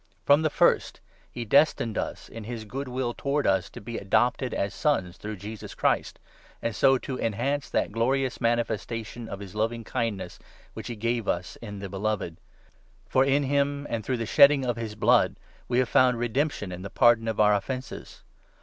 From the first he destined us, in his good 5 will towards us, to be adopted as Sons through Jesus Christ, and so to enhance that glorious manifestation of his loving 6 kindness which he gave us in The Beloved ; for in him, and 7 through the shedding of his blood, we have found redemption in the pardon of our offences.